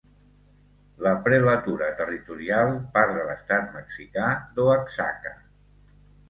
La prelatura territorial part de l'estat mexicà d'Oaxaca.